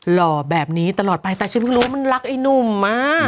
หล่อแบบนี้ตลอดไปแต่ฉันเพิ่งรู้ว่ามันรักไอ้หนุ่มมาก